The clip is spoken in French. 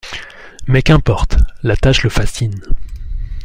Mais qu’importe, la tâche le fascine.